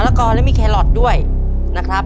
มะละกอดและมีแครอทด้วยนะครับ